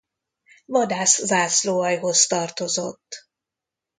Vadász zászlóaljhoz tartozott.